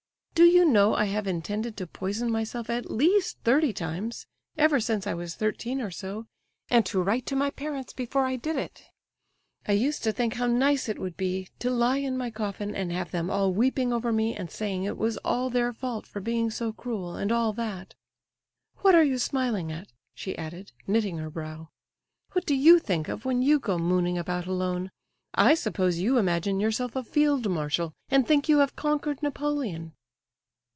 Do you know I have intended to poison myself at least thirty times—ever since I was thirteen or so—and to write to my parents before I did it? I used to think how nice it would be to lie in my coffin, and have them all weeping over me and saying it was all their fault for being so cruel, and all that—what are you smiling at?" she added, knitting her brow. "What do you think of when you go mooning about alone? I suppose you imagine yourself a field marshal, and think you have conquered Napoleon?"